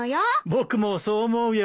僕もそう思うよ。